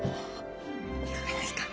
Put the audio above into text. いかがですか？